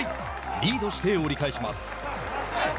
リードして折り返します。